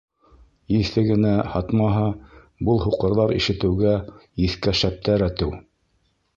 Еҫе генә һатмаһа, был һуҡырҙар ишетеүгә, еҫкә шәптәр әтеү.